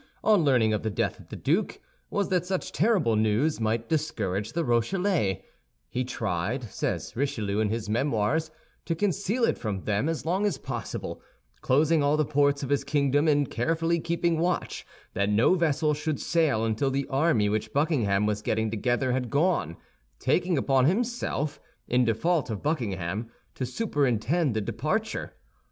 on learning of the death of the duke, was that such terrible news might discourage the Rochellais; he tried, says Richelieu in his Memoirs, to conceal it from them as long as possible, closing all the ports of his kingdom, and carefully keeping watch that no vessel should sail until the army which Buckingham was getting together had gone, taking upon himself, in default of Buckingham, to superintend the departure.